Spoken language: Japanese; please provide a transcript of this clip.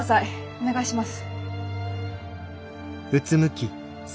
お願いします。